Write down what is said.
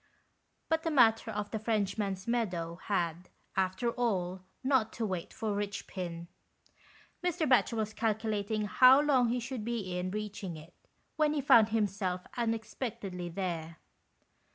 But the matter of the Frenchman's Meadow had, after all, not to wait for Eichpin. Mr. Batchel was calculating how long he should be in reaching it, when he found himself unexpectedly there.